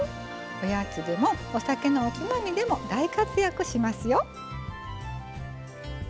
おやつでもお酒のおつまみでも大活躍しますよ。